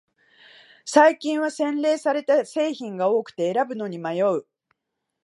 最近は洗練された製品が多くて選ぶのに迷う